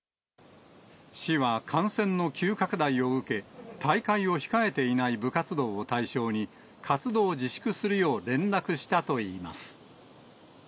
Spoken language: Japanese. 市は感染の急拡大を受け、大会を控えていない部活動を対象に、活動自粛するよう連絡したといいます。